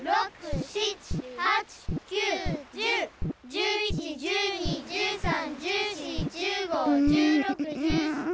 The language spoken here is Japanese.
１１１２１３１４１５１６１７１８。